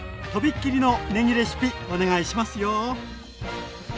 飛び切りのねぎレシピお願いしますよ！